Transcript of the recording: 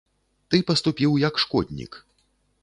Ты паступіў, як шкоднік.